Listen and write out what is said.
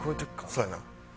そやな。